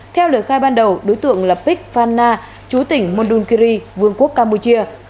theo lời khai ban đầu đối tượng là pich phan na chú tỉnh muldunkiri vương quốc campuchia